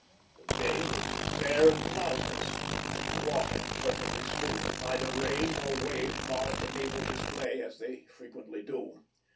The day was fair and cloudless, the water perfectly smooth; neither rain nor wave marred the naval display, as they frequently do.